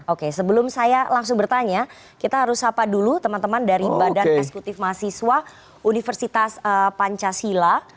oke sebelum saya langsung bertanya kita harus apa dulu teman teman dari badan eksekutif mahasiswa universitas pancasila